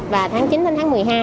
và tháng chín đến tháng một mươi hai